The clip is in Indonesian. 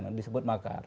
yang disebut makar